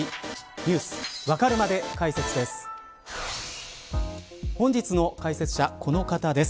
Ｎｅｗｓわかるまで解説です。